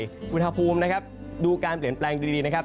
อุณหภูมินะครับดูการเปลี่ยนแปลงดีนะครับ